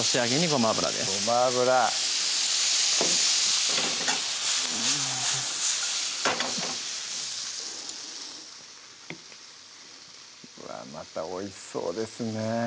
ごま油うわまたおいしそうですね